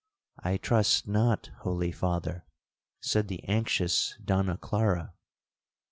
'—'I trust not, holy Father,' said the anxious Donna Clara.